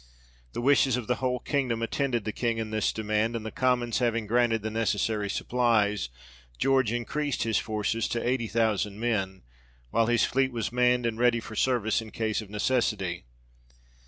The wishes of the whole kingdom attended the King in this demand ; and the Commons having granted the necessary supplies, George increased his forces to eighty thousand men, while his fleet was manned and ready for service in case of necessity.